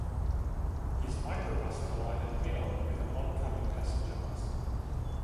His microbus collided head-on with an oncoming passenger bus.